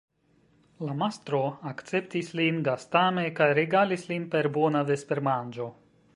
La mastro akceptis lin gastame kaj regalis lin per bona vespermanĝo.